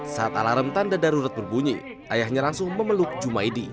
saat alarm tanda darurat berbunyi ayahnya langsung memeluk jumaidi